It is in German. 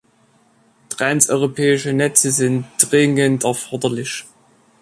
Transeuropäische Netze sind dringend erforderlich.